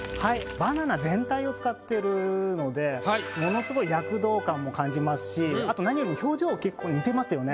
バナナ全体を使ってるのでものすごい躍動感も感じますしあと何よりも表情結構似てますよね？